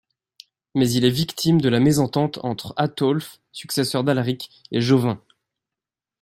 Mais il est victime de la mésentente entre Athaulf, successeur d'Alaric, et Jovin.